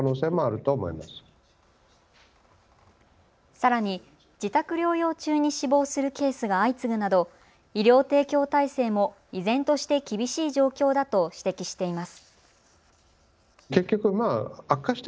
さらに自宅療養中に死亡するケースが相次ぐなど医療提供体制も依然として厳しい状況だと指摘しています。